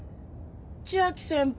千秋先輩。